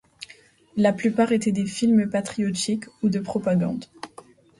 La plupart étaient des films patriotiques ou de propagande.